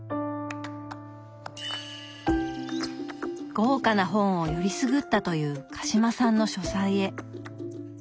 豪華な本をよりすぐったという鹿島さんの書斎へ。